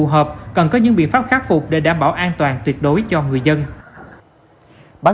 học luật phân cấp